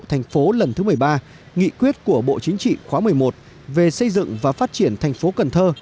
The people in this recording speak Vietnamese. thành phố lần thứ một mươi ba nghị quyết của bộ chính trị khóa một mươi một về xây dựng và phát triển thành phố cần thơ